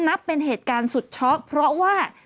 นับเป็นเหตุการณ์สุดช็อกเพราะว่า